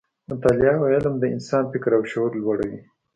مطالعه او علم د انسان فکر او شعور لوړوي.